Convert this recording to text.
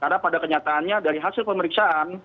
karena pada kenyataannya dari hasil pemeriksaan